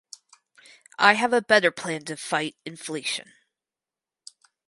I have a better plan to fight inflation.